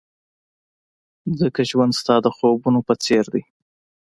ځکه ژوند ستا د خوبونو په څېر دی.